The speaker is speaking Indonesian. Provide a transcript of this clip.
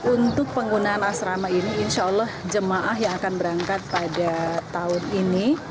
untuk penggunaan asrama ini insya allah jemaah yang akan berangkat pada tahun ini